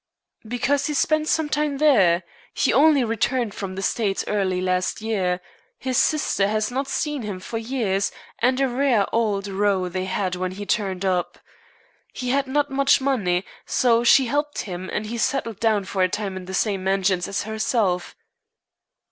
"Because he spent some time there. He only returned from the States early last year. His sister has not seen him for years, and a rare old row they had when he turned up. He had not much money, so she helped him, and he settled down for a time in the same mansions as herself."